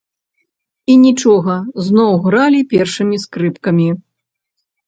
І нічога, зноў гралі першымі скрыпкамі.